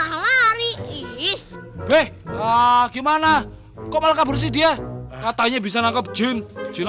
nangkep jin malah lari ih eh gimana kok malah kabur sih dia katanya bisa nangkep jin jin